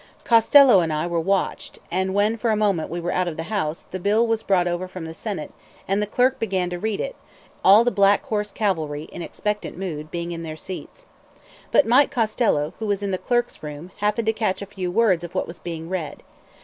Costello and I were watched; and when for a moment we were out of the House, the bill was brought over from the Senate, and the clerk began to read it, all the black horse cavalry, in expectant mood, being in their seats. But Mike Costello, who was in the clerk's room, happened to catch a few words of what was being read.